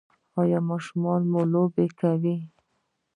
ایا ماشومان مو لوبې کوي؟